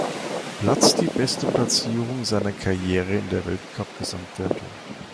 Platz die beste Platzierung seiner Karriere in der Weltcup-Gesamtwertung.